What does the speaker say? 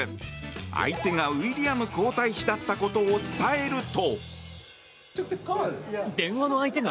相手がウィリアム皇太子だったことを伝えると。